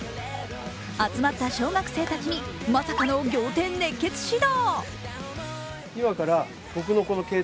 集まった小学生たちに、まさかの仰天熱血指導。